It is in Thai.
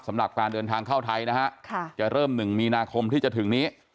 สำหรับการเดินทางเข้าไทยนะฮะจะเริ่ม๑มีนาคมที่จะถึงนี้